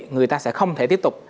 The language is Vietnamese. người ta sẽ không thể tiếp tục